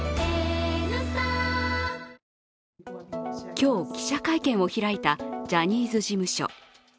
今日、記者会見を開いたジャニーズ事務所。